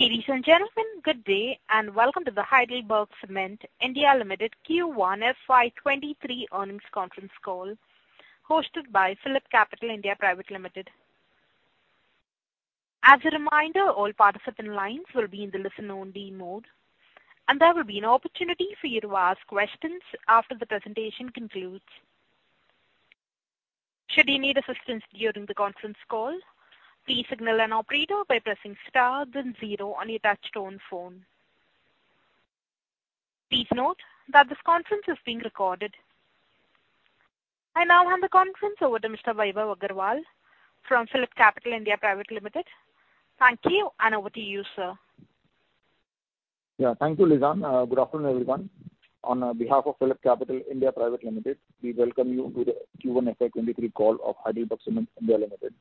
Ladies and gentlemen, good day and welcome to the HeidelbergCement India Limited Q1 FY 2023 earnings conference call hosted by PhillipCapital (India) Private Limited. As a reminder, all participant lines will be in the listen-only mode and there will be an opportunity for you to ask questions after the presentation concludes. Should you need assistance during the conference call, please signal an operator by pressing star, then zero on your touch-tone phone. Please note that this conference is being recorded. I now hand the conference over to Mr. Vaibhav Agarwal from PhillipCapital (India) Private Limited. Thank you and over to you, sir. Yeah, thank you, Lizan. Good afternoon, everyone. On behalf of PhillipCapital (India) Private Limited, we welcome you to the Q1 FY 2023 call of HeidelbergCement India Limited.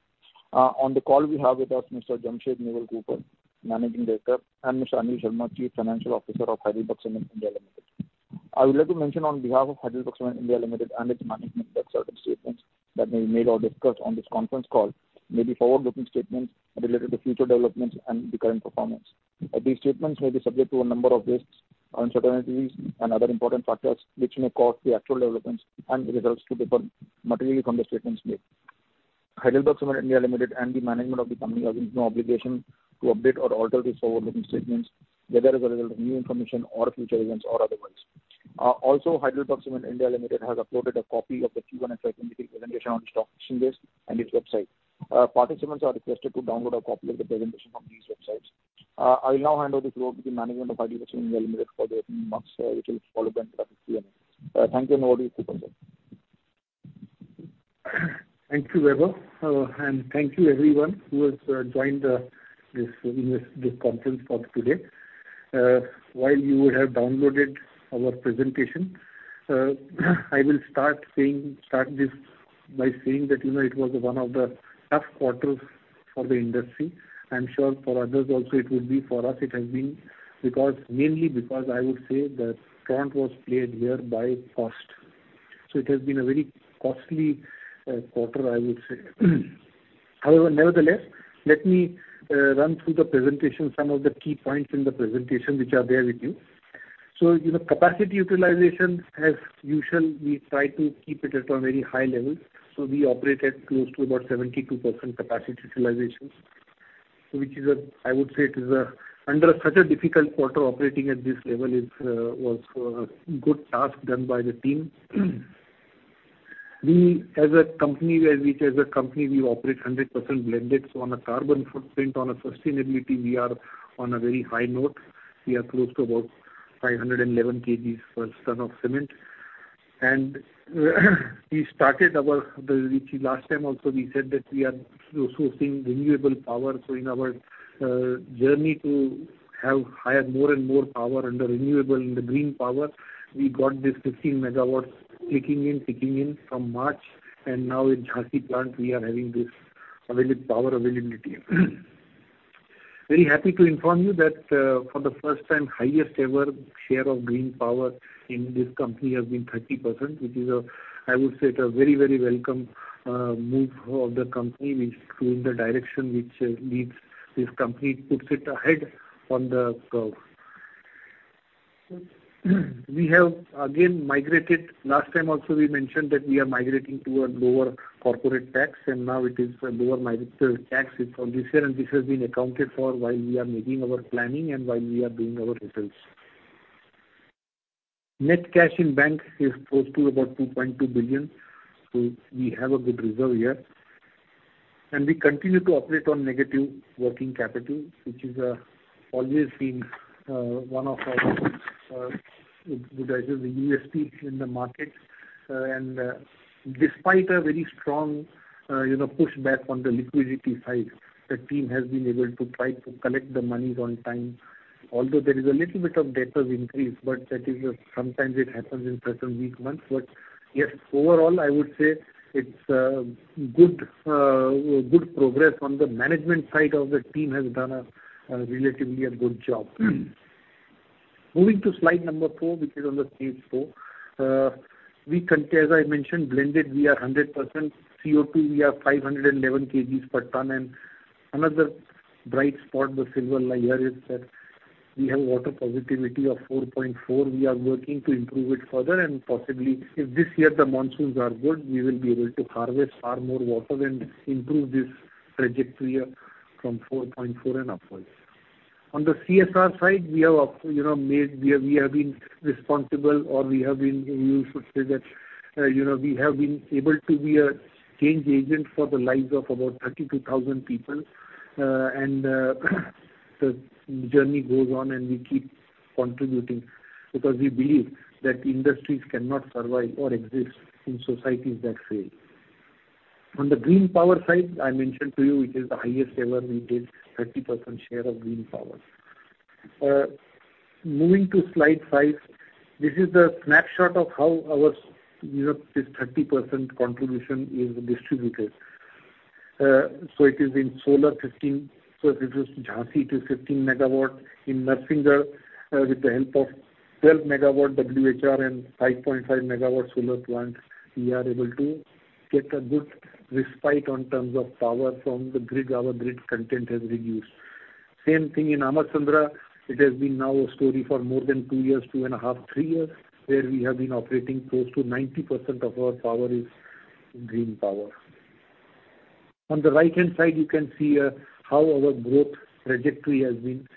On the call, we have with us Mr. Jamshed Naval Cooper, Managing Director, and Mr. Anil Sharma, Chief Financial Officer of HeidelbergCement India Limited. I would like to mention on behalf of HeidelbergCement India Limited and its management that certain statements that may be made or discussed on this conference call may be forward-looking statements related to future developments and the current performance. These statements may be subject to a number of risks, uncertainties, and other important factors which may cause the actual developments and results to differ materially from the statements made. HeidelbergCement India Limited and the management of the company are in no obligation to update or alter these forward-looking statements whether as a result of new information or future events or otherwise. Also, HeidelbergCement India Limited has uploaded a copy of the Q1 FY 2023 presentation on its stock exchange list and its website. Participants are requested to download a copy of the presentation from these websites. I will now hand over the floor to the management of HeidelbergCement India Limited for their opening remarks, which will be followed by an introductory Q&A. Thank you and over to you, Cooper, sir. Thank you, Vaibhav, and thank you, everyone who has joined this conference for today. While you have downloaded our presentation, I will start by saying that it was one of the tough quarters for the industry. I'm sure for others also it would be. For us, it has been mainly because, I would say, the tune was played here by cost. So it has been a very costly quarter, I would say. However, nevertheless, let me run through the presentation, some of the key points in the presentation which are there with you. So capacity utilization, as usual, we try to keep it at a very high level. So we operated close to about 72% capacity utilization, which I would say under such a difficult quarter, operating at this level was a good task done by the team. As a company, we operate 100% blended. So on a carbon footprint, on a sustainability, we are on a very high note. We are close to about 511 kg per ton of cement. And we started our last time also, we said that we are sourcing renewable power. So in our journey to have more and more power under renewable and the green power, we got this 15 megawatts ticking in, ticking in from March. And now in Jhansi plant, we are having this power availability. Very happy to inform you that for the first time, highest-ever share of green power in this company has been 30%, which is, I would say, a very, very welcome move of the company going in the direction which leads this company, puts it ahead on the curve. We have, again, migrated. Last time also, we mentioned that we are migrating to a lower corporate tax, and now it is a lower tax for this year. This has been accounted for while we are making our planning and while we are doing our results. Net cash in bank is close to about 2.2 billion. So we have a good reserve here. We continue to operate on negative working capital, which has always been one of the USPs in the market. Despite a very strong pushback on the liquidity side, the team has been able to try to collect the money on time. Although there is a little bit of debt has increased, but sometimes it happens in certain weak months. But yes, overall, I would say it's good progress on the management side of the team has done relatively a good job. Moving to slide number four, which is on page four, as I mentioned, blended, we are 100% CO2. We are 511 kgs per ton. And another bright spot, the silver line here, is that we have water positivity of 4.4. We are working to improve it further. And possibly, if this year the monsoons are good, we will be able to harvest far more water and improve this trajectory from 4.4 and upwards. On the CSR side, we have been responsible, or we have been you should say that we have been able to be a change agent for the lives of about 32,000 people. And the journey goes on, and we keep contributing because we believe that industries cannot survive or exist in societies that fail. On the green power side, I mentioned to you, it is the highest ever we did 30% share of green power. Moving to slide 5, this is a snapshot of how this 30% contribution is distributed. So it is in solar Jhansi [up] to 15 MW. In Narsinghgarh, with the help of 12 MW WHR and 5.5 MW solar plants, we are able to get a good respite in terms of power from the grid. Our grid content has reduced. Same thing in Ammasandra. It has been now a story for more than two years, two and a half, three years, where we have been operating close to 90% of our power is green power. On the right-hand side, you can see how our growth trajectory has been.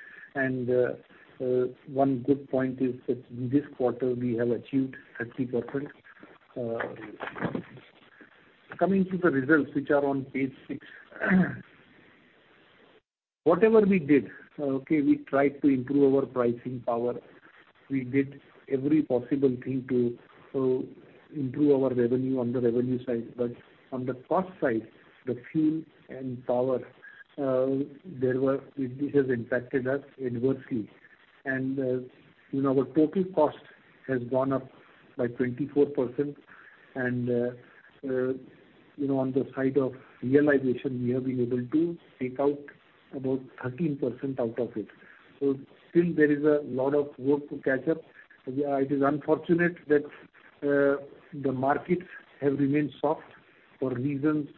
One good point is that this quarter, we have achieved 30%. Coming to the results, which are on page six, whatever we did, okay, we tried to improve our pricing power. We did every possible thing to improve our revenue on the revenue side. But on the cost side, the fuel and power, this has impacted us adversely. And our total cost has gone up by 24%. And on the side of realization, we have been able to take out about 13% out of it. So still, there is a lot of work to catch up. It is unfortunate that the markets have remained soft for reasons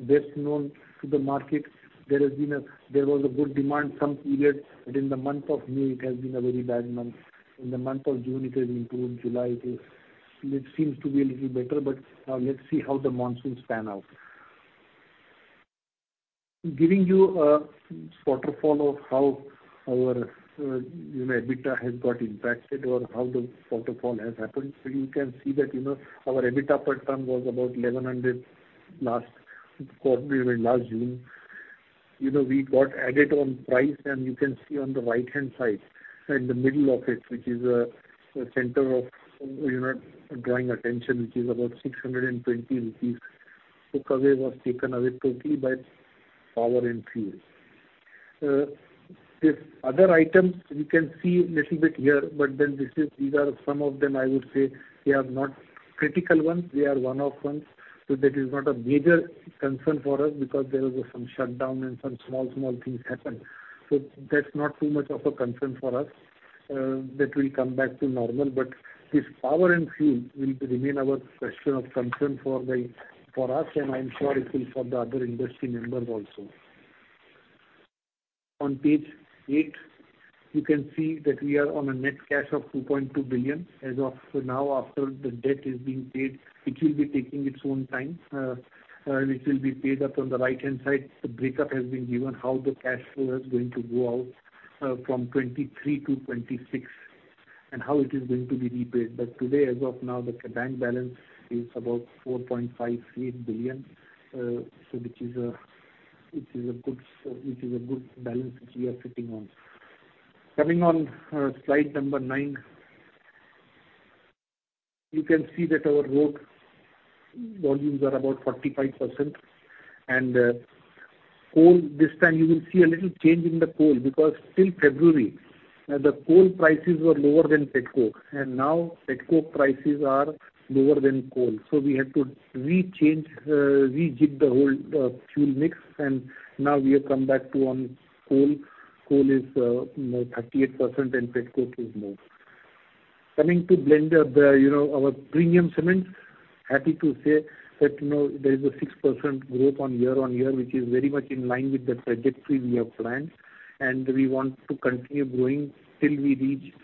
best known to the market. There was a good demand some period, but in the month of May, it has been a very bad month. In the month of June, it has improved. July, it seems to be a little better. But now let's see how the monsoons pan out. Giving you a waterfall of how our EBITDA has got impacted or how the waterfall has happened, you can see that our EBITDA per ton was about 1,100 last June. We got added on price, and you can see on the right-hand side, in the middle of it, which is the center of drawing attention, which is about 620 rupees, the cover was taken away totally by power and fuel. The other items, you can see a little bit here, but then these are some of them, I would say, they are not critical ones. They are one-off ones. So that is not a major concern for us because there was some shutdown and some small, small things happened. So that's not too much of a concern for us that will come back to normal. But this power and fuel will remain our question of concern for us, and I'm sure it will for the other industry members also. On page eight, you can see that we are on a net cash of 2.2 billion. As of now, after the debt is being paid, it will be taking its own time. It will be paid up. On the right-hand side, the breakup has been given, how the cash flow is going to go out from 2023 to 2026 and how it is going to be repaid. But today, as of now, the bank balance is about 4.58 billion, which is a good balance which we are sitting on. Coming on slide number nine, you can see that our road volumes are about 45%. This time, you will see a little change in the coal because till February, the coal prices were lower than petcoke, and now petcoke prices are lower than coal. So we had to rechange, rejig the whole fuel mix, and now we have come back to on coal. Coal is 38% and petcoke is more. Coming to blended, our premium cement, happy to say that there is a 6% growth on year-on-year, which is very much in line with the trajectory we have planned. And we want to continue growing till we reach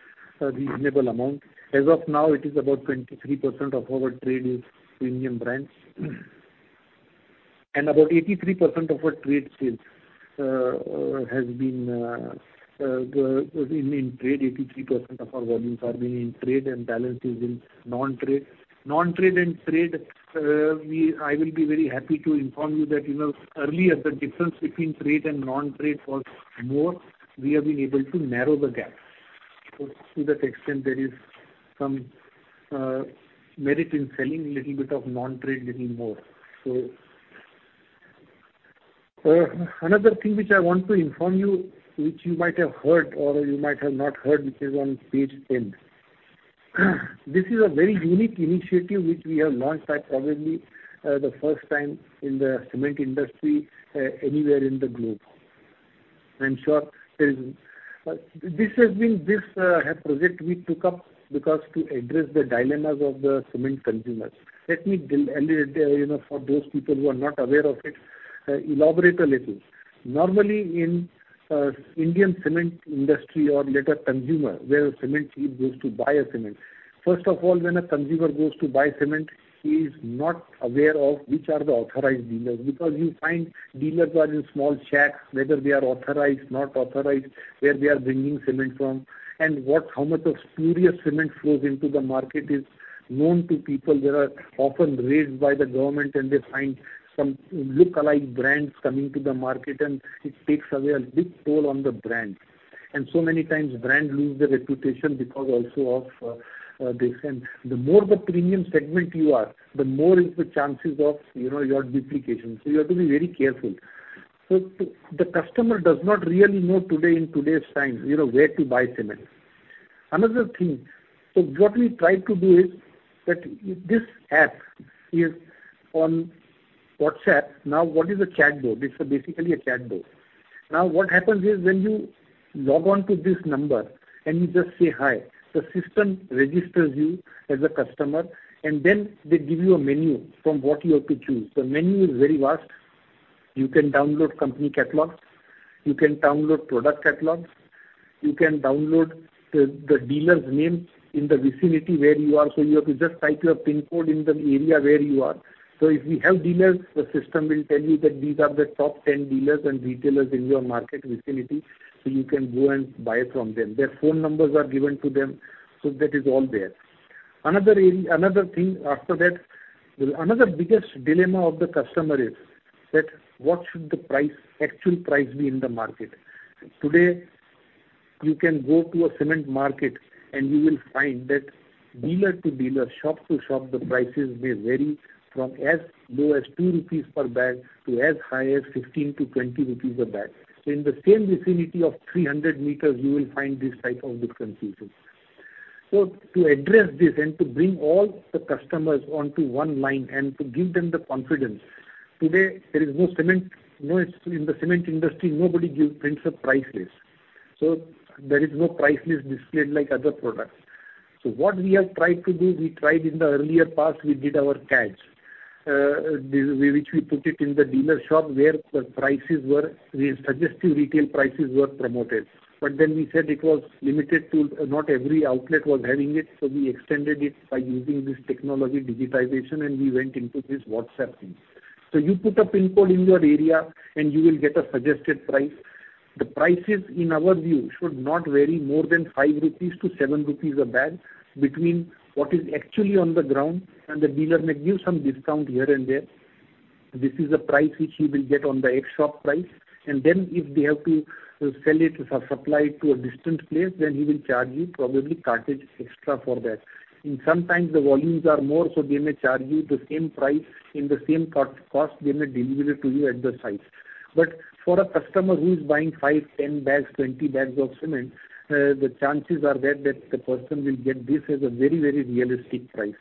a reasonable amount. As of now, it is about 23% of our trade is premium brands. And about 83% of our trade has been in trade. 83% of our volumes are being in trade, and balance is in non-trade. Non-trade and trade, I will be very happy to inform you that earlier, the difference between trade and non-trade was more. We have been able to narrow the gap. So to that extent, there is some merit in selling a little bit of non-trade, a little more. So another thing which I want to inform you, which you might have heard or you might have not heard, which is on page 10, this is a very unique initiative which we have launched probably the first time in the cement industry anywhere in the globe. I'm sure this has been this project we took up because to address the dilemmas of the cement consumers. Let me, for those people who are not aware of it, elaborate a little. Normally, in the Indian cement industry or later consumer, where a cement chief goes to buy a cement, first of all, when a consumer goes to buy cement, he is not aware of which are the authorized dealers because you find dealers are in small shacks, whether they are authorized, not authorized, where they are bringing cement from, and how much of spurious cement flows into the market is known to people. They are often raised by the government, and they find some lookalike brands coming to the market, and it takes away a big toll on the brand. So many times, brands lose their reputation because also of this. The more the premium segment you are, the more is the chances of your duplication. So you have to be very careful. The customer does not really know today, in today's time, where to buy cement. Another thing, so what we tried to do is that this app is on WhatsApp. Now, what is a chatbot? It's basically a chatbot. Now, what happens is when you log on to this number and you just say hi, the system registers you as a customer, and then they give you a menu from what you have to choose. The menu is very vast. You can download company catalogs. You can download product catalogs. You can download the dealer's name in the vicinity where you are. So you have to just type your PIN code in the area where you are. So if we have dealers, the system will tell you that these are the top 10 dealers and retailers in your market vicinity. So you can go and buy from them. Their phone numbers are given to them. So that is all there. Another thing after that, another biggest dilemma of the customer is that what should the actual price be in the market? Today, you can go to a cement market, and you will find that dealer to dealer, shop to shop, the prices may vary from as low as 2 rupees per bag to as high as 15-20 rupees a bag. So in the same vicinity of 300 meters, you will find this type of differences. So to address this and to bring all the customers onto one line and to give them the confidence, today, there is no cement in the cement industry. Nobody prints a price list. So there is no price list displayed like other products. So what we have tried to do, we tried in the earlier past, we did our cards, which we put in the dealer shop where the suggestive retail prices were promoted. But then we said it was limited to not every outlet was having it. So we extended it by using this technology, digitization, and we went into this WhatsApp thing. So you put a PIN code in your area, and you will get a suggested price. The prices, in our view, should not vary more than 5-7 rupees a bag between what is actually on the ground, and the dealer may give some discount here and there. This is a price which he will get on the ex-shop price. And then if they have to sell it or supply it to a distant place, then he will charge you probably cartage extra for that. Sometimes, the volumes are more, so they may charge you the same price. In the same cost, they may deliver it to you at the site. But for a customer who is buying five, 10 bags, 20 bags of cement, the chances are there that the person will get this as a very, very realistic price.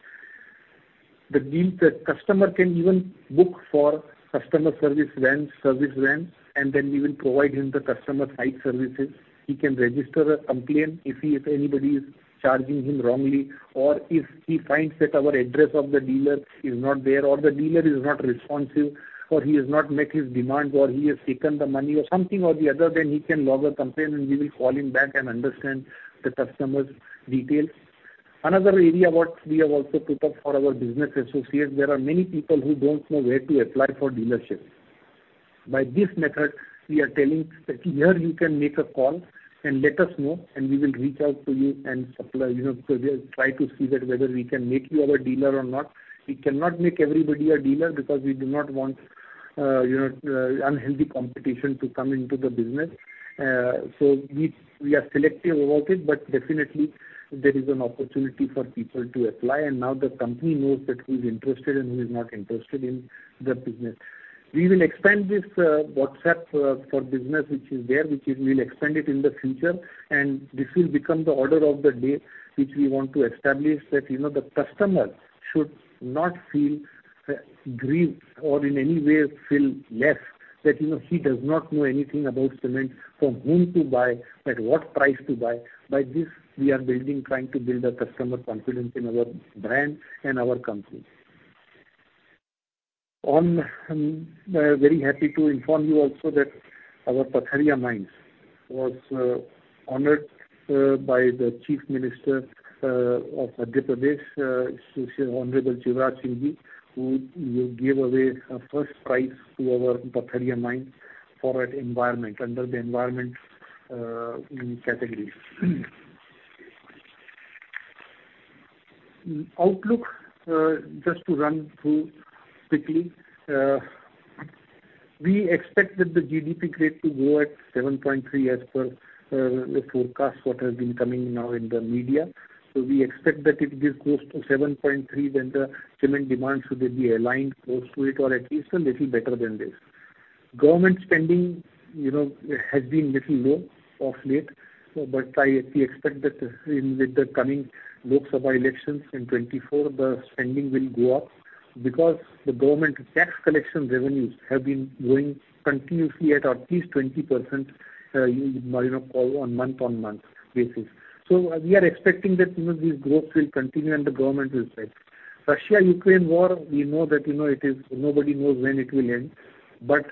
The customer can even book for customer service van, service van, and then we will provide him the customer site services. He can register a complaint if anybody is charging him wrongly or if he finds that our address of the dealer is not there or the dealer is not responsive or he has not met his demands or he has taken the money or something or the other, then he can log a complaint, and we will call him back and understand the customer's details. Another area what we have also put up for our business associates, there are many people who don't know where to apply for dealership. By this method, we are telling that here, you can make a call and let us know, and we will reach out to you and supply. So we try to see whether we can make you our dealer or not. We cannot make everybody a dealer because we do not want unhealthy competition to come into the business. So we are selective about it, but definitely, there is an opportunity for people to apply. And now, the company knows who is interested and who is not interested in the business. We will expand this WhatsApp for business, which is there, which we will expand it in the future. This will become the order of the day which we want to establish that the customer should not feel grieved or in any way feel less, that he does not know anything about cement, from whom to buy, at what price to buy. By this, we are trying to build customer confidence in our brand and our company. I'm very happy to inform you also that our Patharia Mines was honored by the Chief Minister of Madhya Pradesh, Honorable Shivraj Singh Chouhan, who gave away a first prize to our Patharia Mines for the environment under the environment category. Outlook, just to run through quickly, we expect that the GDP rate to go at 7.3 as per the forecast, what has been coming now in the media. So we expect that it will go to 7.3 when the cement demand should be aligned close to it or at least a little better than this. Government spending has been a little low of late, but we expect that with the coming Lok Sabha elections in 2024, the spending will go up because the government tax collection revenues have been going continuously at least 20% on month-on-month basis. So we are expecting that these growths will continue and the government will spend. Russia-Ukraine war, we know that it is nobody knows when it will end, but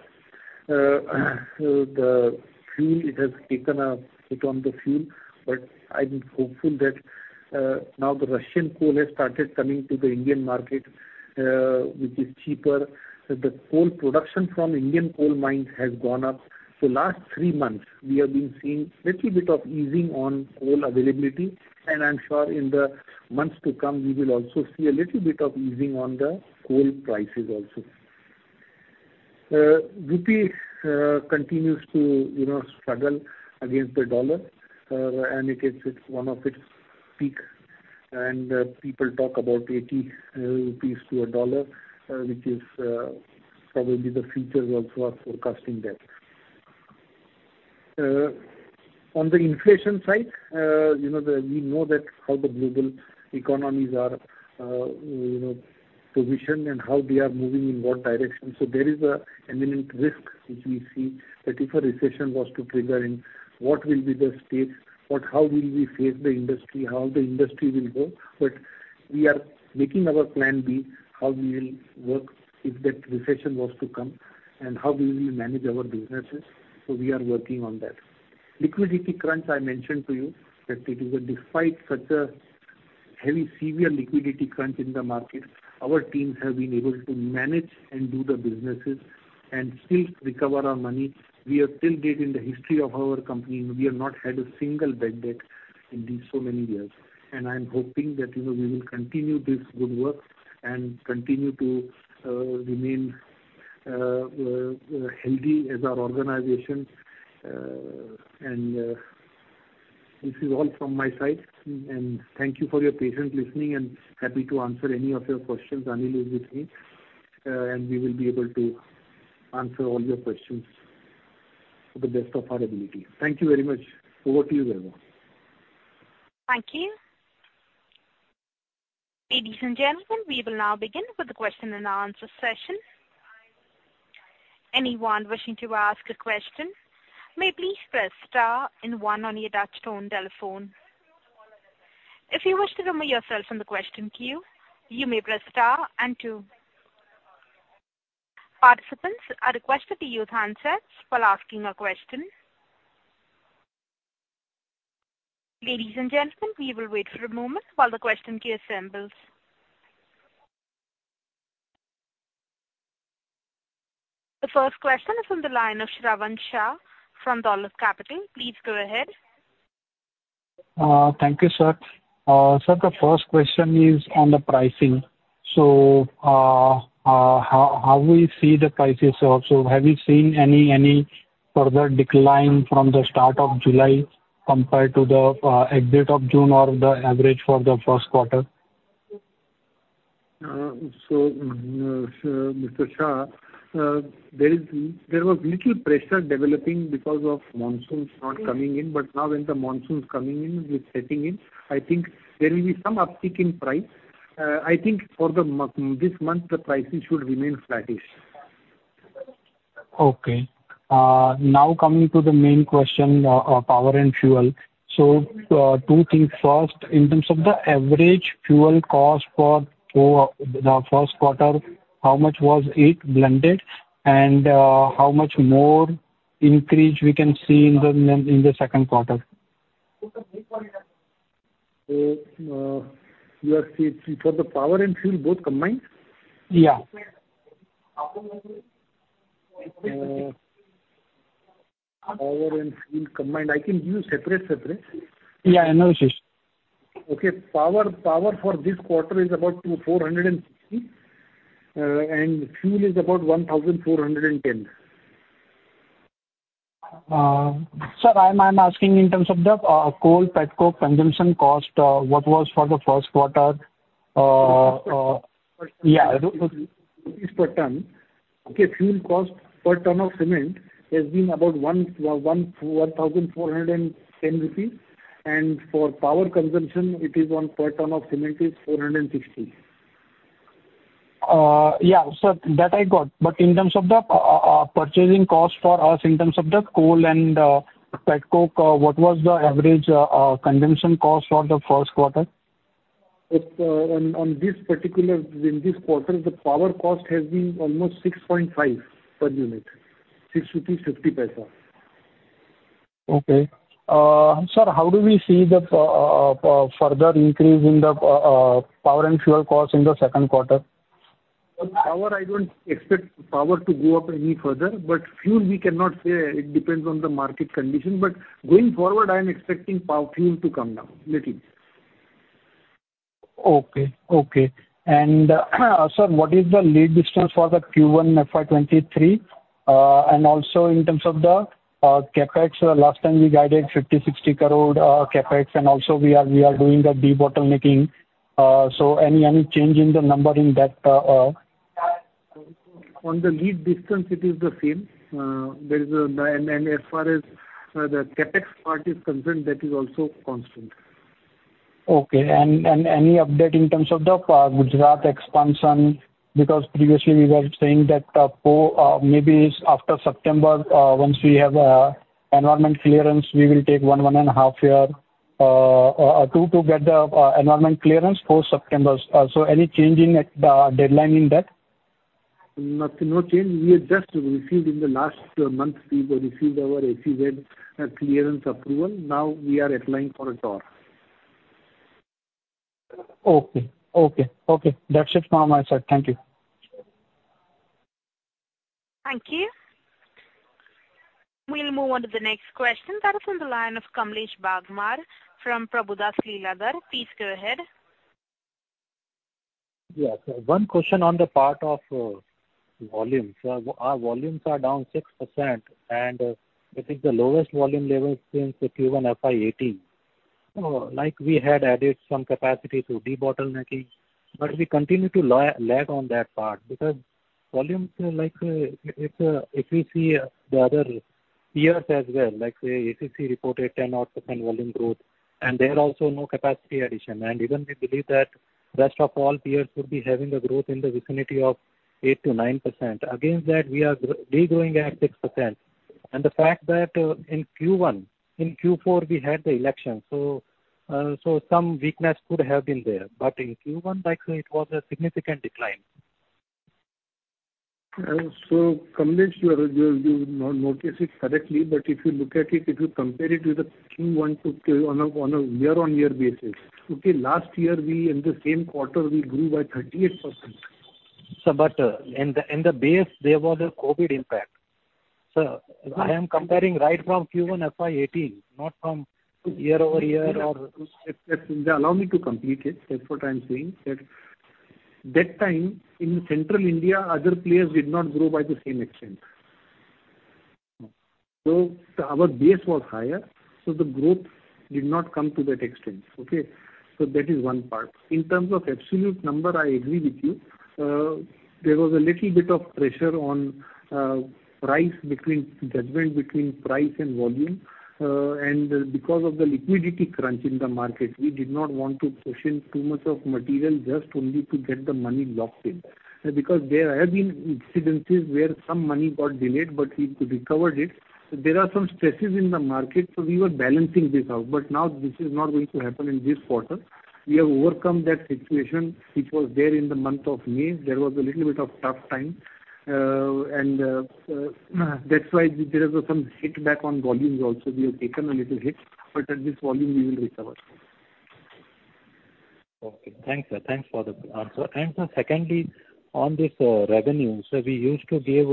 the fuel, it has taken a hit on the fuel. But I'm hopeful that now the Russian coal has started coming to the Indian market, which is cheaper. The coal production from Indian coal mines has gone up. Last three months, we have been seeing a little bit of easing on coal availability. I'm sure in the months to come, we will also see a little bit of easing on the coal prices also. The rupee continues to struggle against the dollar, and it is one of its peaks. People talk about 80 rupees to a dollar, which is probably the future also are forecasting that. On the inflation side, we know how the global economies are positioned and how they are moving in what direction. There is an imminent risk which we see that if a recession was to trigger in, what will be the state, how will we face the industry, how the industry will go. We are making our plan B, how we will work if that recession was to come and how we will manage our businesses. So we are working on that. Liquidity crunch, I mentioned to you that despite such a heavy, severe liquidity crunch in the market, our teams have been able to manage and do the businesses and still recover our money. We are still debt-free in the history of our company. We have not had a single bad debt in these so many years. And I'm hoping that we will continue this good work and continue to remain healthy as our organization. And this is all from my side. And thank you for your patience in listening and happy to answer any of your questions. Anil is with me, and we will be able to answer all your questions to the best of our ability. Thank you very much. Over to you, Vaibhav. Thank you. Ladies and gentlemen, we will now begin with the question-and-answer session. Anyone wishing to ask a question may please press star and one on your touch-tone telephone. If you wish to remove yourself from the question queue, you may press star and two. Participants are requested to use handsets while asking a question. Ladies and gentlemen, we will wait for a moment while the question queue assembles. The first question is from the line of Shravan Shah from Dolat Capital. Please go ahead. Thank you, sir. Sir, the first question is on the pricing. So how we see the prices also? Have you seen any further decline from the start of July compared to the exit of June or the average for the first quarter? So, Mr. Shah, there was little pressure developing because of monsoons not coming in. But now, when the monsoons are coming in, it's setting in. I think there will be some uptick in price. I think for this month, the prices should remain flattish. Okay. Now, coming to the main question, power and fuel. So two things. First, in terms of the average fuel cost for the first quarter, how much was it blended? And how much more increase we can see in the second quarter? So you are saying for the power and fuel, both combined? Yeah. Power and fuel combined. I can give you separate, separate. Yeah, analyze. Okay. Power for this quarter is about 460, and fuel is about 1,410. Sir, I'm asking in terms of the coal petcoke consumption cost, what was for the first quarter? Yeah. Rupees per ton. Okay. Fuel cost per ton of cement has been about 1,410 rupees. And for power consumption, it is on per ton of cement is 460. Yeah, sir, that I got. But in terms of the purchasing cost for us, in terms of the coal and petcoke, what was the average consumption cost for the first quarter? On this particular quarter, the power cost has been almost 6.5 per unit, INR 6.50. Okay. Sir, how do we see the further increase in the power and fuel cost in the second quarter? I don't expect power to go up any further, but fuel, we cannot say. It depends on the market condition. But going forward, I am expecting fuel to come down a little. Okay. Okay. And sir, what is the lead distance for the Q1 FY 2023? And also, in terms of the CapEx, last time we guided 50-60 crore CapEx, and also we are doing a de-bottlenecking. So any change in the number in that? On the lead distance, it is the same. As far as the CapEx part is concerned, that is also constant. Okay. Any update in terms of the Gujarat expansion? Because previously, we were saying that maybe after September, once we have environment clearance, we will take one, 1.5 years or two to get the environment clearance for September. So any change in deadline in that? Nothing. No change. We have just received in the last month, we received our CRZ clearance approval. Now, we are applying for a ToR. Okay. Okay. Okay. That's it from my side. Thank you. Thank you. We'll move on to the next question. That is from the line of Kamlesh Bagmar from Prabhudas Lilladher. Please go ahead. Yes. One question on the part of volumes. Our volumes are down 6%, and it is the lowest volume level since the Q1 FY 2018. We had added some capacity through de-bottlenecking, but we continue to lag on that part because volumes, if we see the other peers as well, say ACC reported 10-odd% volume growth, and there are also no capacity addition. Even we believe that the rest of all peers would be having a growth in the vicinity of 8%-9%. Against that, we are degrowing at 6%. The fact that in Q1, in Q4, we had the elections, so some weakness could have been there. But in Q1, it was a significant decline. So Kamlesh, you notice it correctly, but if you look at it, if you compare it with the Q1 to Q on a year-on-year basis, okay, last year, in the same quarter, we grew by 38%. Sir, but in the base, there was a COVID impact. Sir, I am comparing right from Q1 FY 2018, not from year-over-year or. Allow me to complete it. That's what I'm saying. That time, in Central India, other players did not grow by the same extent. So our base was higher, so the growth did not come to that extent, okay? So that is one part. In terms of absolute number, I agree with you. There was a little bit of pressure on price between judgment between price and volume. And because of the liquidity crunch in the market, we did not want to cushion too much of material just only to get the money locked in. Because there have been incidences where some money got delayed, but we recovered it. There are some stresses in the market, so we were balancing this out. But now, this is not going to happen in this quarter. We have overcome that situation which was there in the month of May. There was a little bit of tough time. That's why there was some setback on volumes also. We have taken a little hit, but this volume, we will recover. Okay. Thanks, sir. Thanks for the answer. Secondly, on this revenue, sir, we used to give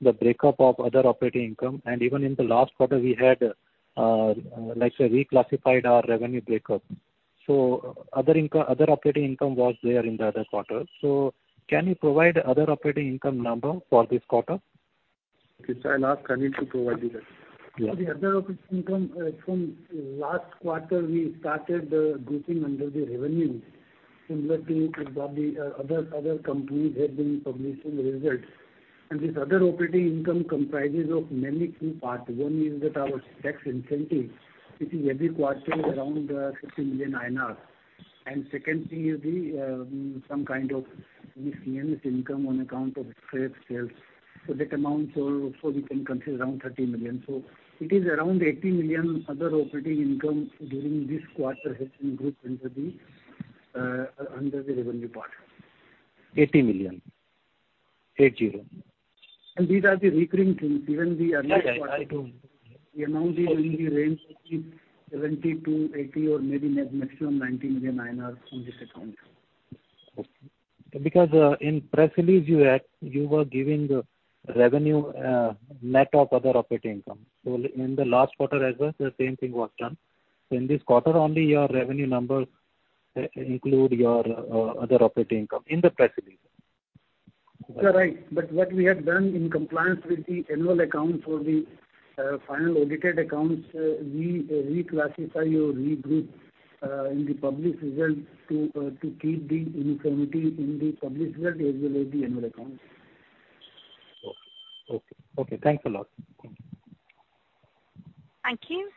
the breakup of other operating income. Even in the last quarter, we had reclassified our revenue breakup. Other operating income was there in the other quarter. Can you provide other operating income number for this quarter? Okay. Sir, I'll ask Anil to provide you that. For the other operating income, from last quarter, we started grouping under the revenue similar to what the other companies have been publishing results. This other operating income comprises mainly two parts. One is that our tax incentive, which is every quarter around 50 million INR. And second thing is some kind of CNS income on account of trade sales. So that amount, so we can consider around 30 million. So it is around 80 million other operating income during this quarter has been grouped under the revenue part. 80 million. 80. And these are the recurring things. Even the earlier quarter. The amount is in the range of 70-80 or maybe maximum INR 90 million on this account. Okay. Because in press release, you were giving revenue net of other operating income. So in the last quarter as well, the same thing was done. So in this quarter, only your revenue numbers include your other operating income in the press release. You're right. But what we had done in compliance with the annual accounts for the final audited accounts, we reclassify or regroup in the published results to keep the uniformity in the published results as well as the annual accounts. Okay. Okay. Okay. Thanks a lot. Thank you. Thank you.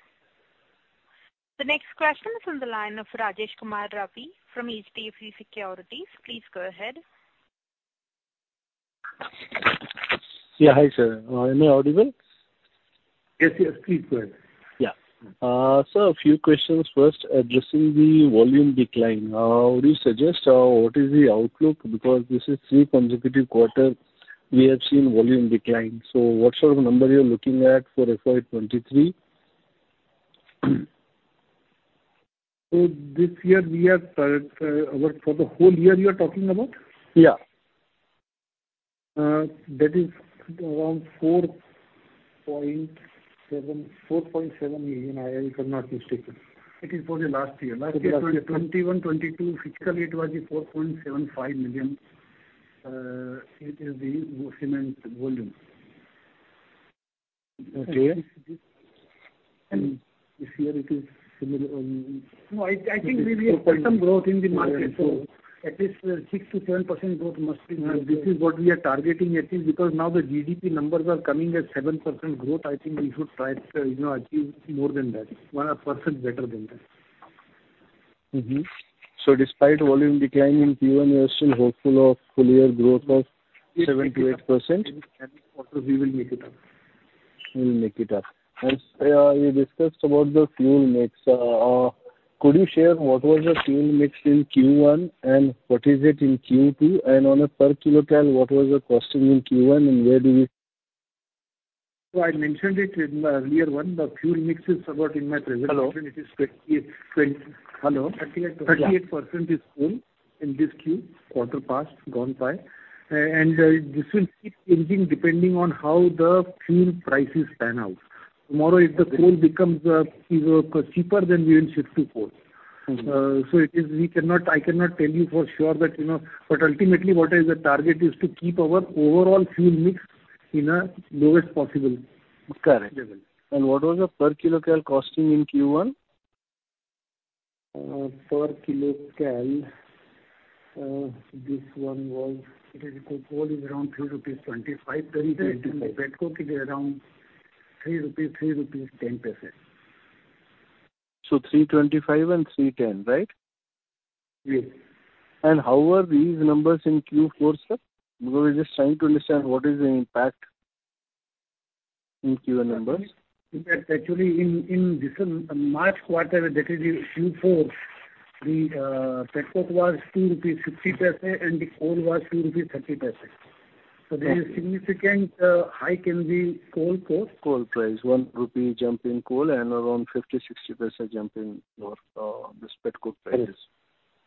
The next question is from the line of Rajesh Kumar Ravi from HDFC Securities. Please go ahead. Yeah. Hi, sir. Am I audible? Yes. Yes. Please go ahead. Yeah. Sir, a few questions first addressing the volume decline. Would you suggest what is the outlook? Because this is three consecutive quarters, we have seen volume decline. So what sort of number you're looking at for FY 2023? So this year, we are for the whole year, you are talking about? Yeah. That is around 4.7 million, if I'm not mistaken. It is for the last year. Last year, 2021, 2022, fiscally, it was 4.75 million. It is the cement volume. And this year, it is similar. No, I think we will see some growth in the market. So at least 6%-7% growth must be here. This is what we are targeting at least because now the GDP numbers are coming at 7% growth. I think we should try to achieve more than that, 100% better than that. So despite volume decline in Q1, you are still hopeful of full-year growth of 7%-8%? Yes. In the next quarter, we will make it up. We will make it up. And you discussed about the fuel mix. Could you share what was the fuel mix in Q1 and what is it in Q2? And on a per kiloton, what was the costing in Q1 and where do we? So I mentioned it in the earlier one. The fuel mix is about in my presentation. It is 38% is coal in this Q quarter past, gone by. And this will keep changing depending on how the fuel prices pan out. Tomorrow, if the coal becomes cheaper, then we will shift to coal. So I cannot tell you for sure, but ultimately, what is the target is to keep our overall fuel mix in a lowest possible level. Correct. And what was the per kilotel costing in Q1? Per kilotel, this one was. It is coal is around INR 3.25, 3.25. Petcoke, it is around INR 3, INR 3.10. So 3.25 and 3.10, right? Yes. And how were these numbers in Q4, sir? Because we're just trying to understand what is the impact in Q1 numbers. Actually, in this March quarter, that is Q4, the petcoke was 2.50 rupees and the coal was 2.30 rupees. So there is significant high in the coal cost. Coal price, 1 rupee jump in coal and around 50%-60% jump in this petcoke prices.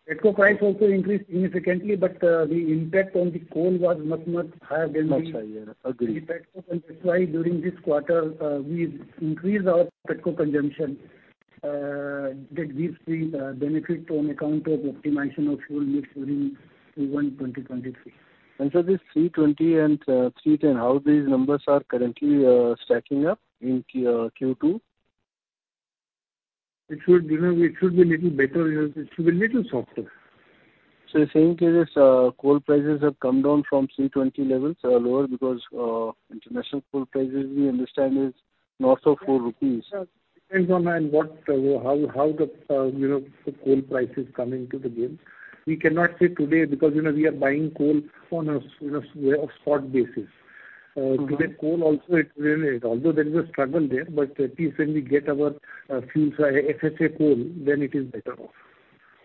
Petcoke price also increased significantly, but the impact on the coal was much, much higher than the petcoke. Much higher. Agreed. And that's why during this quarter, we increased our petcoke consumption. That gives the benefit on account of optimization of fuel mix during Q1, 2023. And so this 3.20 and 3.10, how these numbers are currently stacking up in Q2? It should be a little better. It should be a little softer. So the same cases, coal prices have come down from 3.20 levels lower because international coal prices, we understand, is north of 4 rupees. Depends on how the coal price is coming to the game. We cannot say today because we are buying coal on a spot basis. Today, coal also, although there is a struggle there, but at least when we get our FSA coal, then it is better.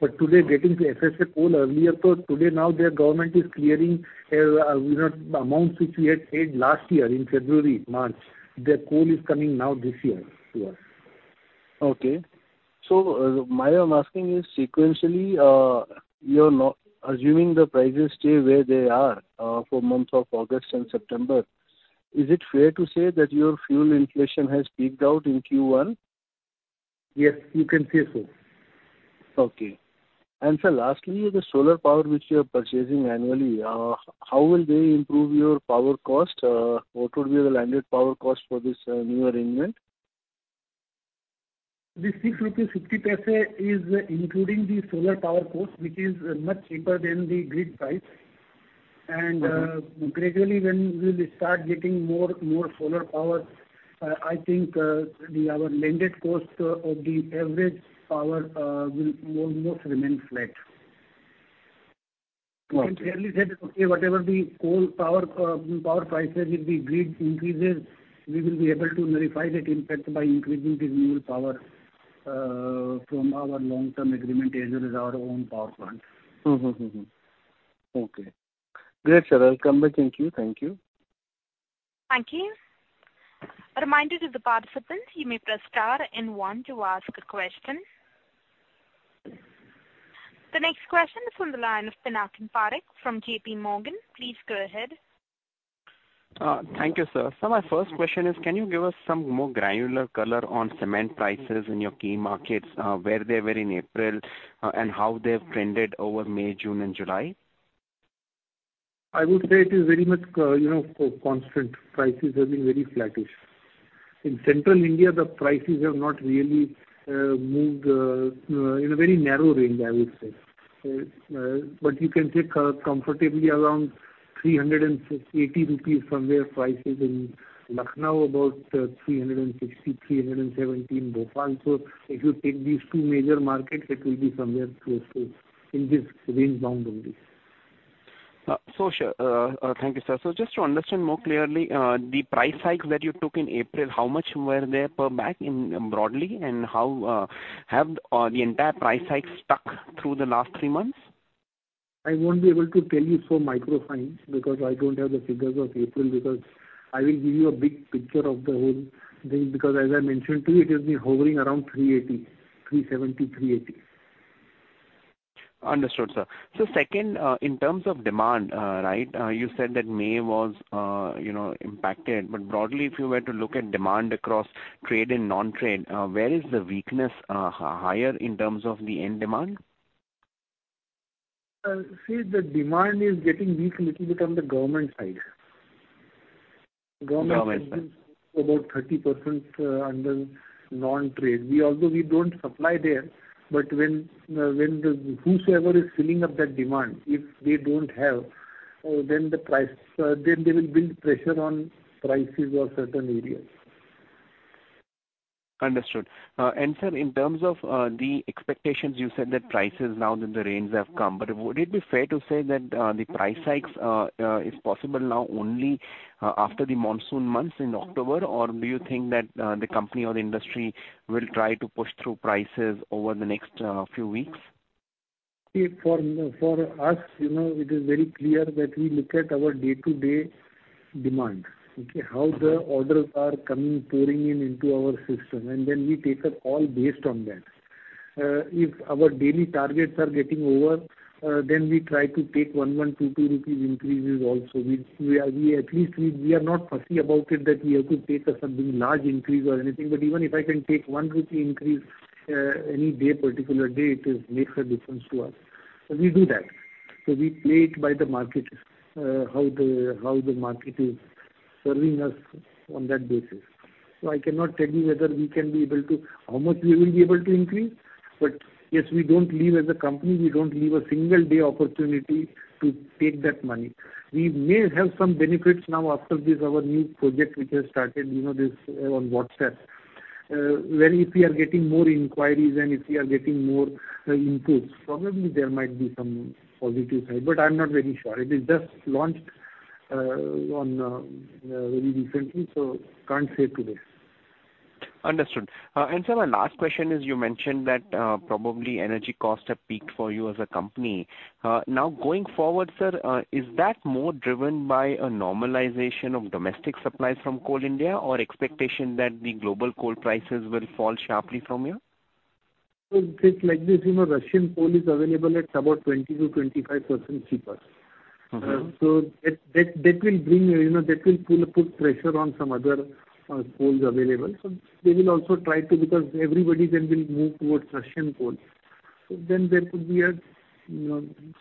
But today, getting FSA coal earlier, so today, now, their government is clearing the amounts which we had paid last year in February, March. The coal is coming now this year to us. Okay. So my asking is, sequentially, you're assuming the prices stay where they are for months of August and September. Is it fair to say that your fuel inflation has peaked out in Q1? Yes. You can say so. Okay. And sir, lastly, the solar power which you are purchasing annually, how will they improve your power cost? What would be the landed power cost for this new arrangement? This INR 6.50 is including the solar power cost, which is much cheaper than the grid price. Gradually, when we will start getting more solar power, I think our landed cost of the average power will almost remain flat. We can fairly say that, okay, whatever the coal power prices with the grid increases, we will be able to verify that impact by increasing the new power from our long-term agreement as well as our own power plant. Okay. Great, sir. I'll come back. Thank you. Thank you. Thank you. Reminder to the participants, you may press star and one to ask a question. The next question is from the line of Pinakin Parekh from J.P. Morgan. Please go ahead. Thank you, sir. Sir, my first question is, can you give us some more granular color on cement prices in your key markets, where they were in April, and how they've trended over May, June, and July? I would say it is very much constant. Prices have been very flattish. In Central India, the prices have not really moved in a very narrow range, I would say. But you can take comfortably around 380 rupees somewhere prices in Lucknow, about 360, 317, Bhopal. So if you take these two major markets, it will be somewhere close to in this range bound only. So, sir, thank you, sir. So just to understand more clearly, the price hikes that you took in April, how much were there per bag broadly, and how have the entire price hike stuck through the last three months? I won't be able to tell you so microfine because I don't have the figures of April because I will give you a big picture of the whole thing because, as I mentioned to you, it has been hovering around 380, 370, 380. Understood, sir. So second, in terms of demand, right, you said that May was impacted. But broadly, if you were to look at demand across trade and non-trade, where is the weakness higher in terms of the end demand? See, the demand is getting weak a little bit on the government side. The government side is about 30% under non-trade. Although we don't supply there, but when whosoever is filling up that demand, if they don't have, then they will build pressure on prices of certain areas. Understood. And sir, in terms of the expectations, you said that prices now in the range have come. But would it be fair to say that the price hike is possible now only after the monsoon months in October? Or do you think that the company or the industry will try to push through prices over the next few weeks? See, for us, it is very clear that we look at our day-to-day demand, okay, how the orders are coming, pouring in into our system. And then we take a call based on that. If our daily targets are getting over, then we try to take 1 rupees, 1 rupees, 2, 2 rupees increases also. At least, we are not fussy about it that we have to take a big large increase or anything. But even if I can take 1 rupee increase any day, particular day, it makes a difference to us. So we do that. So we play it by the market, how the market is serving us on that basis. So I cannot tell you whether we can be able to how much we will be able to increase. But yes, we don't leave as a company, we don't leave a single day opportunity to take that money. We may have some benefits now after this, our new project which has started on WhatsApp, where if we are getting more inquiries and if we are getting more inputs, probably there might be some positive side. But I'm not very sure. It is just launched very recently, so can't say today. Understood. And sir, my last question is, you mentioned that probably energy costs have peaked for you as a company. Now, going forward, sir, is that more driven by a normalization of domestic supplies from Coal India or expectation that the global coal prices will fall sharply from here? Just like this, Russian coal is available at about 20%-25% cheaper. So that will bring that will put pressure on some other coals available. So they will also try to because everybody then will move towards Russian coal. So then there could be a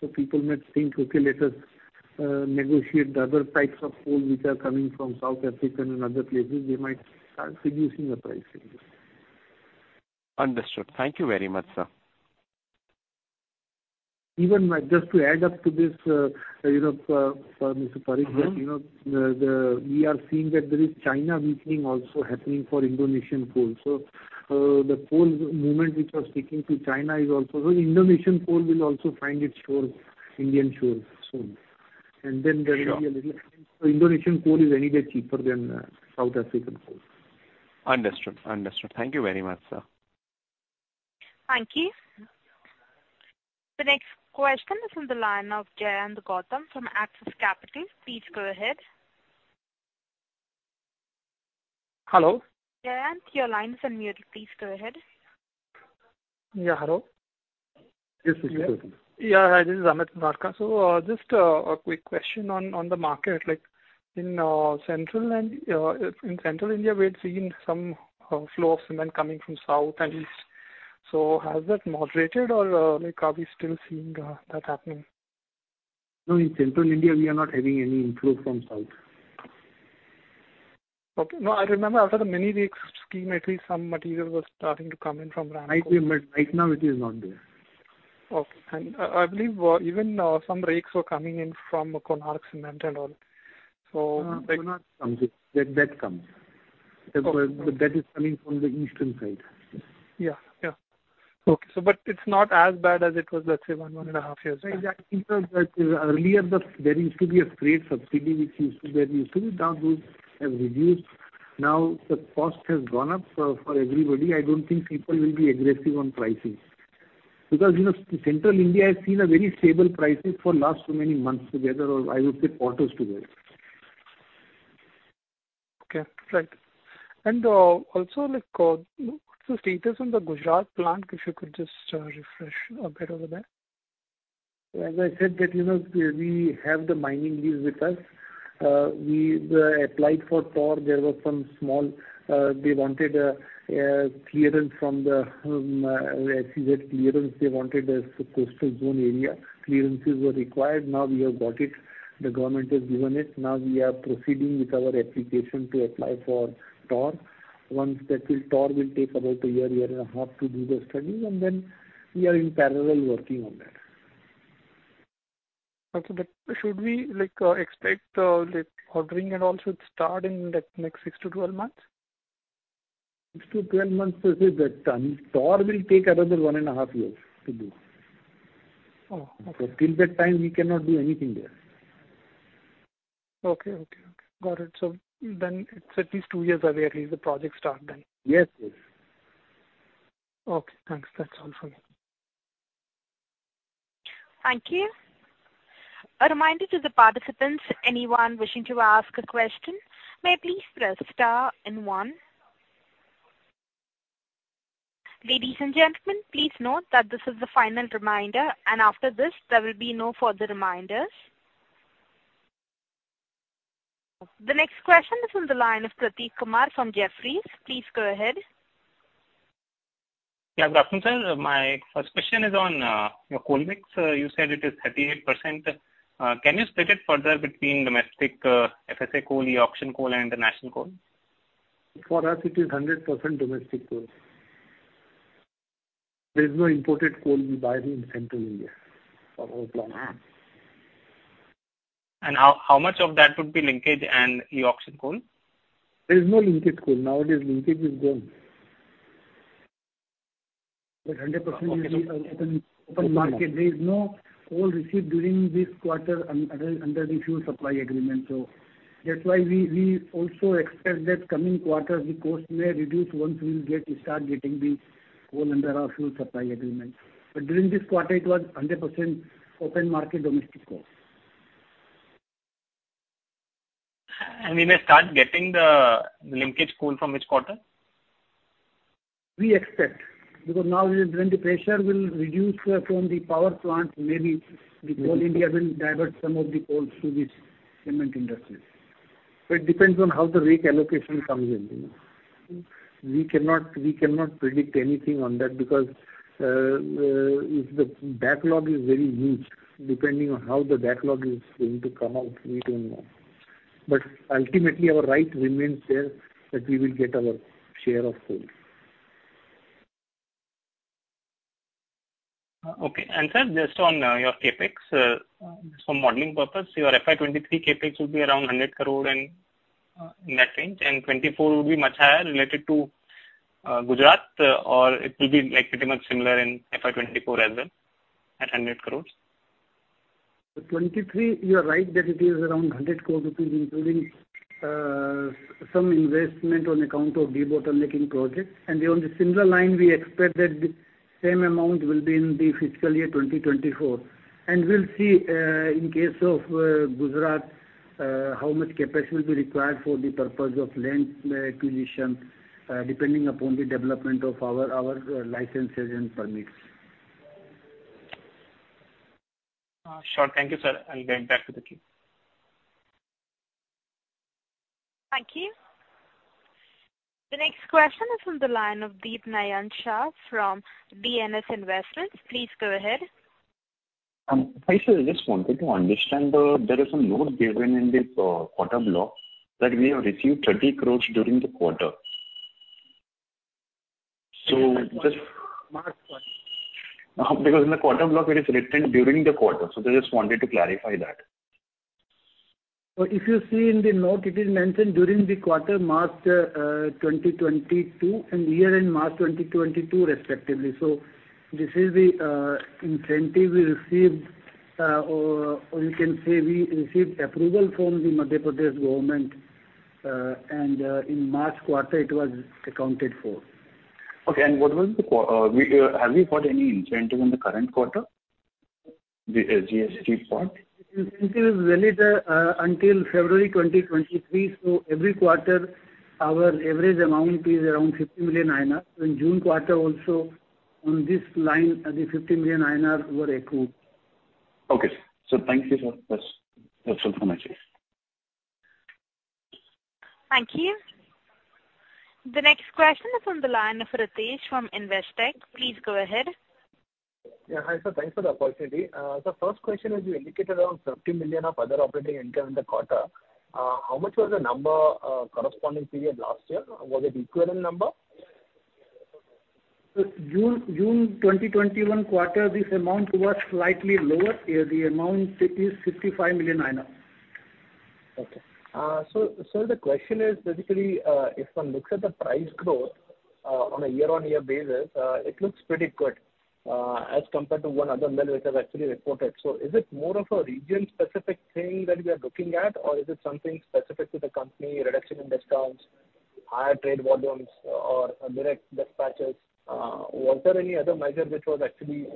so people might think, "Okay, let us negotiate the other types of coal which are coming from South Africa and other places." They might start reducing the price in this. Understood. Thank you very much, sir. Even just to add up to this, Mr. Parekh, that we are seeing that there is China weakening also happening for Indonesian coal. So the coal movement which are sticking to China is also so Indonesian coal will also find its Indian shores soon. And then there will be a little so Indonesian coal is any day cheaper than South African coal. Understood. Understood. Thank you very much, sir. Thank you. The next question is from the line of Jayant Gautam from Axis Capital. Please go ahead. Hello? Jayant, your line is on mute. Please go ahead. Yeah. Hello? Yes, Mr. Gautam. Yeah. Hi. This is Amit Murarka. So just a quick question on the market. In Central India, we had seen some flow of cement coming from south and east. So has that moderated, or are we still seeing that happening? No, in Central India, we are not having any inflow from south. Okay. No, I remember after the mini-rakes scheme, at least some material was starting to come in from Ramco. Right now, it is not there. Okay. And I believe even some rakes were coming in from Konark Cement and all. So that comes. That is coming from the eastern side. Yeah. Yeah. Okay. But it's not as bad as it was, let's say, one, 1.5 years ago. Exactly. Earlier, there used to be a straight subsidy which used to be there used to be. Now, those have reduced. Now, the cost has gone up for everybody. I don't think people will be aggressive on pricing because Central India has seen very stable prices for last so many months together, or I would say quarters together. Okay. Right. And also, what's the status on the Gujarat plant if you could just refresh a bit over there? As I said, that we have the mining lease with us. We applied for ToR. There were some small they wanted clearance from the, as he said, clearance. They wanted the coastal zone area. Clearances were required. Now, we have got it. The government has given it. Now, we are proceeding with our application to apply for ToR. ToR will take about a year, year and a half to do the studies. And then we are in parallel working on that. Okay. But should we expect ordering and all should start in the next 6-12 months? 6-12 months, per se, that time. ToR will take another 1.5 years to do. So till that time, we cannot do anything there. Okay. Okay. Okay. Got it. So then it's at least two years away, at least, the project start then. Yes. Yes. Okay. Thanks. That's all from me. Thank you. A reminder to the participants, anyone wishing to ask a question, may please press star and one. Ladies and gentlemen, please note that this is the final reminder. After this, there will be no further reminders. The next question is from the line of Prateek Kumar from Jefferies. Please go ahead. Yeah. Good afternoon, sir. My first question is on your coal mix. You said it is 38%. Can you split it further between domestic FSA coal, e-auction coal, and international coal? For us, it is 100% domestic coal. There is no imported coal we buy in Central India from our plant. And how much of that would be linkage and e-auction coal? There is no linkage coal. Nowadays, linkage is gone. But 100% will be open market. There is no coal received during this quarter under the fuel supply agreement. So that's why we also expect that coming quarter, the cost may reduce once we start getting the coal under our fuel supply agreement. But during this quarter, it was 100% open market domestic coal. And we may start getting the linkage coal from which quarter? We expect because now, when the pressure will reduce from the power plant, maybe the Coal India will divert some of the coal to this cement industry. So it depends on how the rake allocation comes in. We cannot predict anything on that because the backlog is very huge. Depending on how the backlog is going to come out, we don't know. But ultimately, our right remains there that we will get our share of coal. Okay. And sir, just on your CapEx, just for modeling purposes, your FY 2023 CapEx will be around 100 crore in that range. FY 2024 would be much higher related to Gujarat, or it will be pretty much similar in FY 2024 as well at 100 crore? FY 2023, you're right that it is around 100 crore rupees including some investment on account of de-bottlenecking projects. On the similar line, we expect that same amount will be in the fiscal year 2024. We'll see in case of Gujarat how much capacity will be required for the purpose of land acquisition depending upon the development of our licenses and permits. Sure. Thank you, sir. I'll get back to the queue. Thank you. The next question is from the line of Deep Nayan Shah from DNS Investments. Please go ahead. Especially this one, to understand, there is a note given in this quarter block that we have received 30 crore during the quarter. So just because in the quarter block, it is written during the quarter. So they just wanted to clarify that. So if you see in the note, it is mentioned during the quarter, March 2022, and year-end March 2022, respectively. So this is the incentive we received, or you can say we received approval from the Madhya Pradesh government. And in March quarter, it was accounted for. Okay. And what was the have we got any incentive in the current quarter, the GST part? Incentive is valid until February 2023. So every quarter, our average amount is around 50 million INR. So in June quarter also, on this line, the 50 million INR were accrued. Okay. So thank you, sir. That's all from my side. Thank you. The next question is from the line of Ritesh from Investec. Please go ahead. Yeah. Hi, sir. Thanks for the opportunity. The first question is, you indicated around 50 million of other operating income in the quarter. How much was the number corresponding period last year? Was it equivalent number? June 2021 quarter, this amount was slightly lower. The amount is 55 million. Okay. So sir, the question is, basically, if one looks at the price growth on a year-on-year basis, it looks pretty good as compared to one other mill which has actually reported. So is it more of a region-specific thing that we are looking at, or is it something specific to the company, reduction in discounts, higher trade volumes, or direct dispatches? Was there any other measure which actually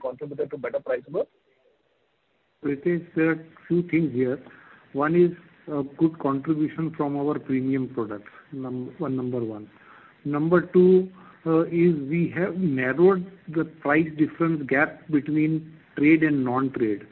contributed to better price growth? Ritesh, there are a few things here. One is good contribution from our premium products, number one. Number two is we have narrowed the price difference gap between trade and non-trade.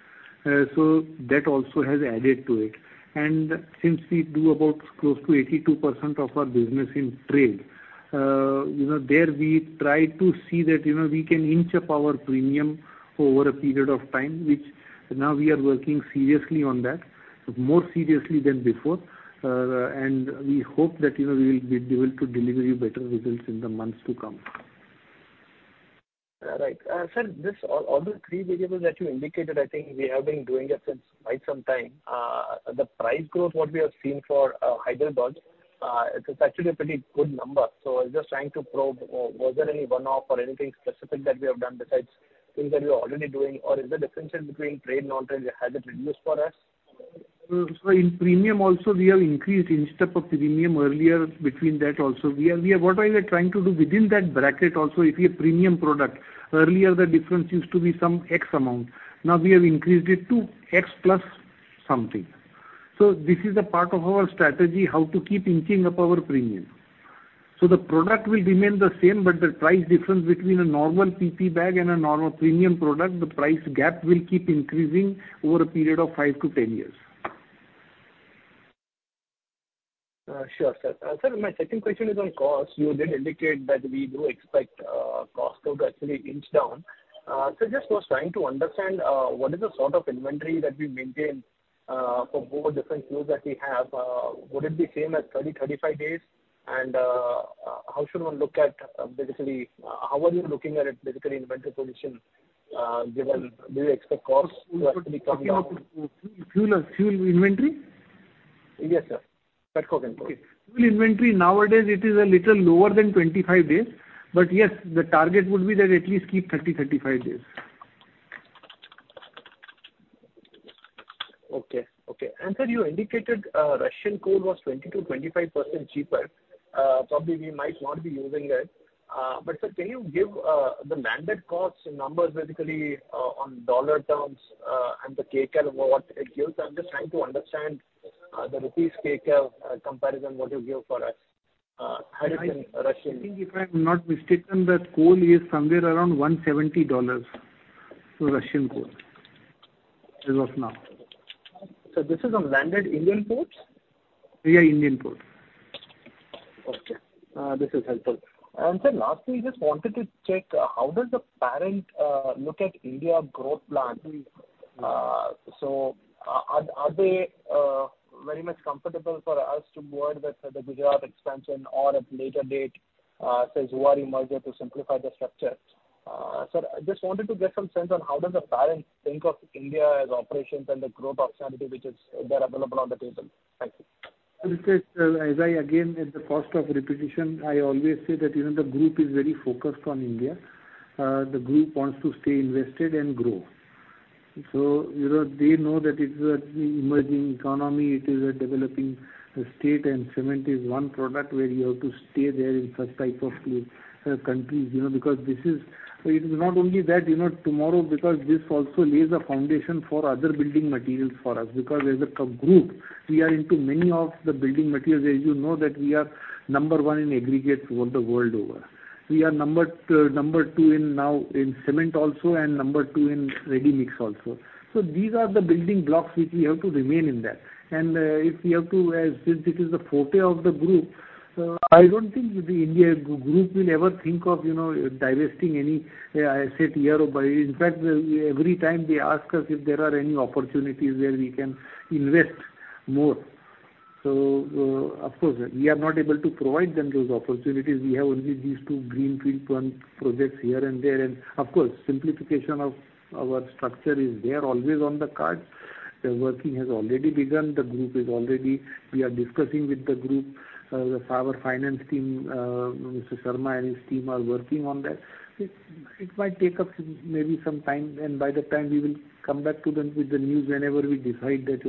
So that also has added to it. And since we do about close to 82% of our business in trade there, we try to see that we can inch up our premium over a period of time, which now we are working seriously on that, more seriously than before. And we hope that we will be able to deliver you better results in the months to come. All right. Sir, all the three variables that you indicated, I think we have been doing it since quite some time. The price growth what we have seen for Hyderabad, it's actually a pretty good number. So I was just trying to probe, was there any one-off or anything specific that we have done besides things that we are already doing, or is the difference between trade and non-trade, has it reduced for us? So in premium also, we have increased inched up of premium earlier between that also. What we are trying to do within that bracket also, if you have premium product, earlier, the difference used to be some X amount. Now, we have increased it to X plus something. So this is a part of our strategy, how to keep inching up our premium. So the product will remain the same, but the price difference between a normal PP bag and a normal premium product, the price gap will keep increasing over a period of five-10 years. Sure, sir. Sir, my second question is on cost. You did indicate that we do expect costs to actually inch down. Sir, just was trying to understand, what is the sort of inventory that we maintain for both different fuels that we have? Would it be same as 30-35 days? How should one look at basically how are you looking at it, basically inventory position given do you expect costs to actually come down? Fuel inventory? Yes, sir. Petroleum fuel. Okay. Fuel inventory nowadays it is a little lower than 25 days. But yes, the target would be that at least keep 30-35 days. Okay. Okay. And sir, you indicated Russian coal was 20%-25% cheaper. Probably we might not be using it. But sir, can you give the landed costs in numbers, basically on dollar terms and the KCAL, what it gives? I'm just trying to understand the rupees KCAL comparison, what you give for us. How do you think Russian? I think if I'm not mistaken, that coal is somewhere around $170, Russian coal, as of now. So this is on landed Indian ports? Yeah, Indian ports. Okay. This is helpful. And sir, lastly, I just wanted to check, how does the parent look at India growth plan? So are they very much comfortable for us to word that the Gujarat expansion or at later date says, "Who are you merger to simplify the structure?" Sir, I just wanted to get some sense on how does the parent think of India as operations and the growth opportunity which is there available on the table? Thank you. Ritesh, as I again, at the cost of repetition, I always say that the group is very focused on India. The group wants to stay invested and grow. So they know that it's an emerging economy. It is a developing state. And cement is one product where you have to stay there in such type of countries because this is it is not only that. Tomorrow, because this also lays a foundation for other building materials for us because as a group, we are into many of the building materials. As you know that we are number one in aggregates world over. We are number two now in cement also and number two in ready mix also. So these are the building blocks which we have to remain in that. And if we have to since it is the forte of the group, I don't think the India group will ever think of divesting any asset here or in fact, every time, they ask us if there are any opportunities where we can invest more. So of course, we are not able to provide them those opportunities. We have only these two greenfield projects here and there. And of course, simplification of our structure is there always on the cards. The working has already begun. The group is already. We are discussing with the group. Our finance team, Mr. Sharma and his team, are working on that. It might take up maybe some time. And by that time, we will come back to them with the news whenever we decide that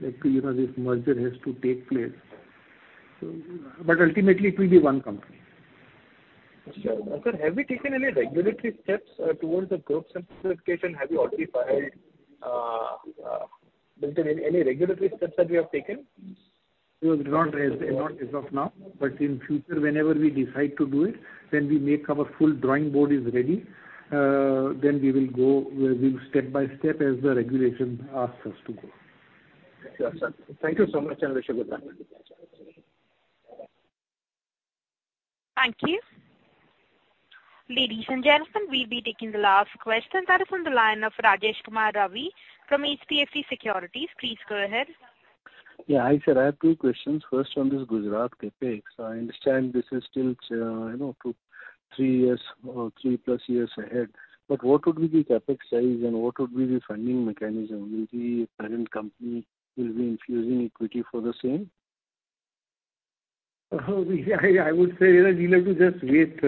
this merger has to take place. But ultimately, it will be one company. Sure. And sir, have we taken any regulatory steps towards the group simplification? Have we already filed built-in any regulatory steps that we have taken? No, not as of now. But in future, whenever we decide to do it, when our full drawing board is ready, then we will go step by step as the regulation asks us to go. Sure, sir. Thank you so much, Investec. Thank you. Ladies and gentlemen, we'll be taking the last question. That is from the line of Rajesh Kumar Ravi from HDFC Securities. Please go ahead. Yeah. Hi, sir. I have two questions. First, on this Gujarat CapEx, I understand this is still three years or three plus years ahead. But what would be the CapEx size, and what would be the funding mechanism? Will the parent company be infusing equity for the same? I would say we have to just wait,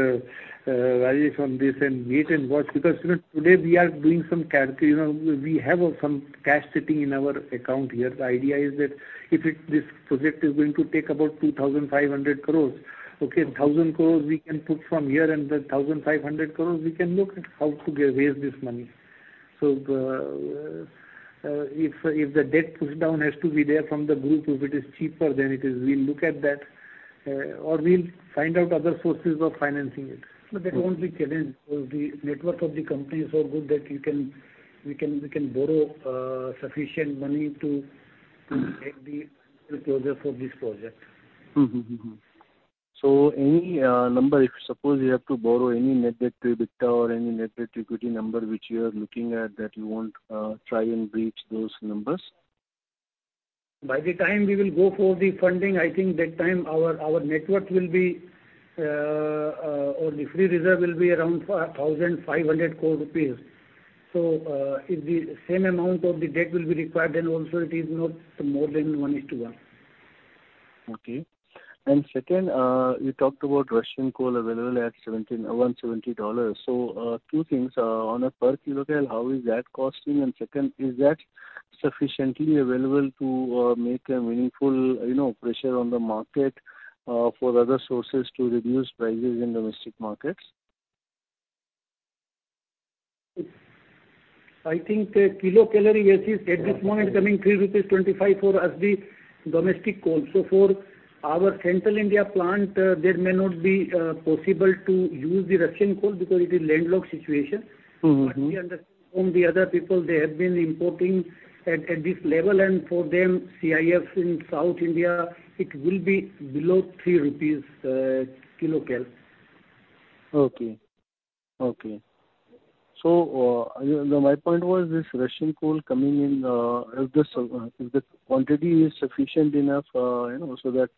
Rajesh, on this and wait and watch because today, we have some cash sitting in our account here. The idea is that if this project is going to take about 2,500 crores, okay, 1,000 crores we can put from here, and the 1,500 crores, we can look at how to raise this money. So if the debt pushdown has to be there from the group, if it is cheaper than it is, we'll look at that, or we'll find out other sources of financing it. But that won't be challenged because the net worth of the company is so good that we can borrow sufficient money to make the closure for this project. So any number, if suppose you have to borrow any net debt to EBITDA or any net debt equity number which you are looking at that you won't try and breach those numbers? By the time we will go for the funding, I think that time, our net worth will be or the free reserve will be around 1,500 crore rupees. So if the same amount of the debt will be required, then also, it is not more than 1:1. Okay. And second, you talked about Russian coal available at $170. So two things. On a per kilocalorie, how is that costing? Second, is that sufficiently available to make a meaningful pressure on the market for other sources to reduce prices in domestic markets? I think kilocalorie as is at this moment coming 3.25 rupees for us, the domestic coal. So for our Central India plant, there may not be possible to use the Russian coal because it is landlocked situation. But we understand from the other people, they have been importing at this level. And for them, CIF in South India, it will be below 3 rupees kilocalorie. Okay. Okay. So my point was, this Russian coal coming in, if the quantity is sufficient enough so that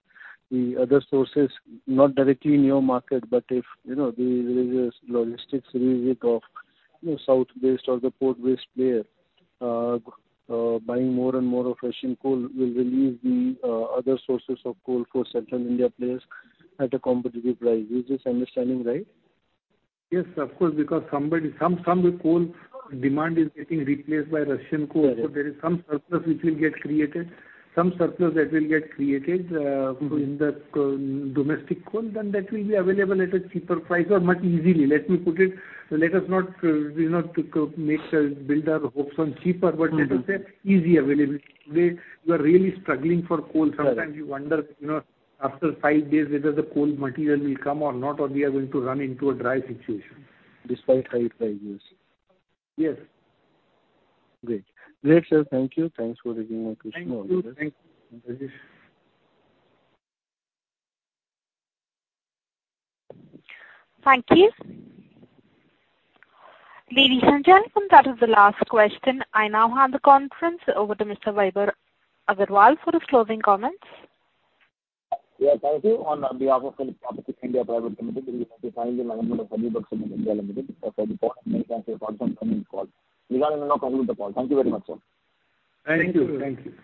the other sources not directly in your market, but if there is a logistics revisit of south-based or the port-based player buying more and more of Russian coal, will relieve the other sources of coal for Central India players at a competitive price. Is this understanding right? Yes, of course, because some coal demand is getting replaced by Russian coal. So there is some surplus which will get created, some surplus that will get created in the domestic coal, then that will be available at a cheaper price or much easily. Let me put it let us not build our hopes on cheaper, but let us say easy availability. Today, you are really struggling for coal. Sometimes, you wonder after five days whether the coal material will come or not, or we are going to run into a dry situation. Despite high prices, yes. Yes. Great. Great, sir. Thank you. Thanks for taking my question. Thank you. Thank you. Thank you. Ladies and gentlemen, that is the last question. I now hand the conference over to Mr. Vaibhav Agarwal for his closing comments. Yeah. Thank you. On behalf of PhillipCapital (India) Private Limited, we want to thank the management of HeidelbergCement India Limited for supporting and transferring parts on the online call. We are going to now conclude the call. Thank you very much, sir. Thank you. Thank you.